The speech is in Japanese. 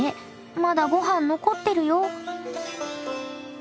まだご飯残ってるよ！